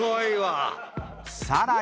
［さらに］